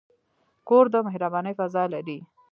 کور د مهربانۍ فضاء لري.